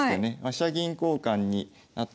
飛車銀交換になって。